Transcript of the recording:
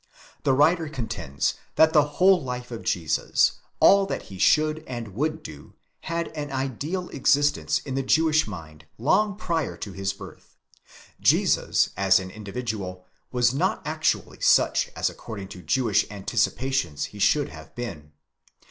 The writer contends that the whole life of Jesus, all that he should and would do, had an ideal existence in the Jewish mind long prior to his birth. Jesus as an individual was not actually such as according to Jewish anticipations he should have been.